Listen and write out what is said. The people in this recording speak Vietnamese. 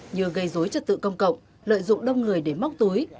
như gây dối trật tự công cộng lợi dụng đông người để móc túi